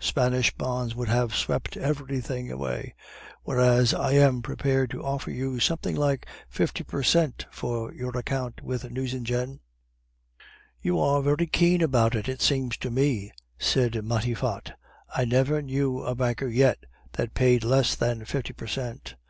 Spanish bonds would have swept everything away; whereas I am prepared to offer you something like fifty per cent for your account with Nucingen.' "'You are very keen about it, it seems to me,' said Matifat. 'I never knew a banker yet that paid less than fifty per cent.